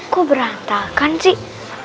kok berantakan sih